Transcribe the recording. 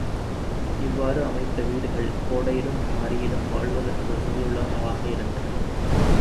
இவ்வாறு அமைத்த வீடுகள் கோடையிலும், மாரியிலும், வாழ்வதற்கு வசதியுள்ளவனவாக இருந்தன.